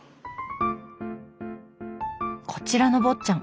こちらの「坊ちゃん」。